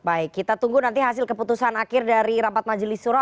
baik kita tunggu nanti hasil keputusan akhir dari rapat majelis suro